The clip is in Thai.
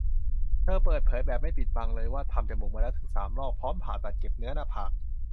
เธอเปิดเผยแบบไม่ปิดบังว่าเคยทำจมูกมาแล้วถึง สาม รอบ พร้อมผ่าตัดเก็บเนื้อหน้าผาก